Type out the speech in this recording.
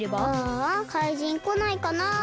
ああかいじんこないかな。